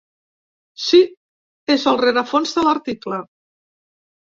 Sí, és el rerefons de l’article.